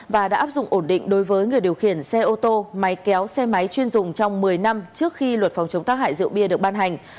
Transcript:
và đã áp dụng ổn định đối với người điều khiển xe ô tô máy kéo xe máy chuyên dùng trong một mươi năm trước khi luật phòng chống tác hại rượu bia được ban hành